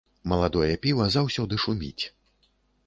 Маладое піва заўсёды шуміць.